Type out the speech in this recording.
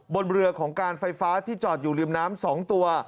บนเรือของการไฟฟ้าที่จอดอยู่ริมน้ำ๒ตัว